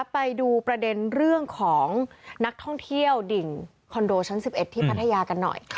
ไปดูประเด็นเรื่องของนักท่องเที่ยวดิ่งคอนโดชั้น๑๑ที่พัทยากันหน่อย